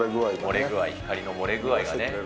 漏れ具合、光の漏れ具合がね。